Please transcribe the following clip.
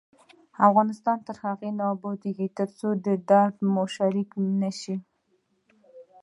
افغانستان تر هغو نه ابادیږي، ترڅو درد مو شریک نشي.